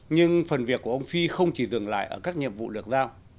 nhưng phần việc của ông phi không chỉ dừng lại ở các nhiệm vụ được giao